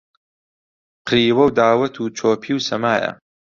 قریوە و داوەت و چۆپی و سەمایە